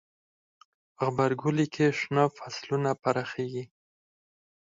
غبرګولی کې شنه فصلونه پراخیږي.